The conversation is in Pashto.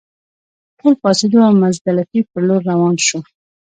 ټول پاڅېدو او مزدلفې پر لور روان شوو.